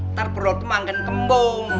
ntar perlu teman kan kembung